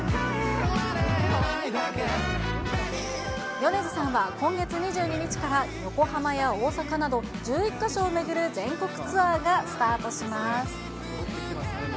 米津さんは今月２２日から横浜や大阪など、１１か所を巡る全国ツアーがスタートします。